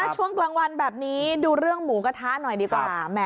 ช่วงกลางวันแบบนี้ดูเรื่องหมูกระทะหน่อยดีกว่า